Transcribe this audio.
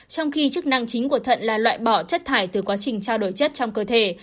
trong khi chức năng chính của thận là loại bỏ chất thải từ quá trình trao đổi chất trong cơ thể